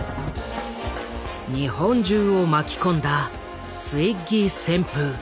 日本中を巻き込んだツイッギー旋風。